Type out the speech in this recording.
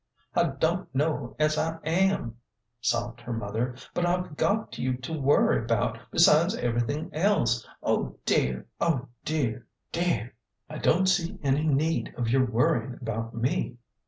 " I don't know as I am," sobbed her mother ;" but I've got you to worry about besides everything else. Oh, dear ! oh, dear, dear !" "I don't see any need of your worrying about me."